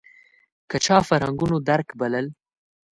که چا فرهنګونو درک بلل